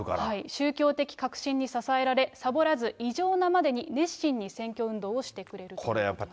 宗教的確信に支えられ、さぼらず、異常なまでに熱心に選挙運動をしてくれるということです。